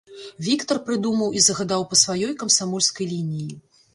Віктар прыдумаў і загадаў па сваёй камсамольскай лініі.